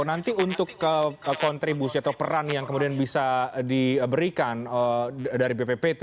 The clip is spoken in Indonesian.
nanti untuk kontribusi atau peran yang kemudian bisa diberikan dari bppt